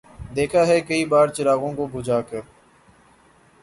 دیکھا ہے کئی بار چراغوں کو بجھا کر